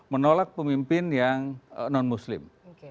menolak pemimpin yang non muslim